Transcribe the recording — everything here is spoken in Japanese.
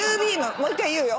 もう１回言うよ。